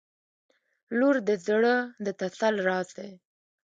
• لور د زړه د تسل راز دی.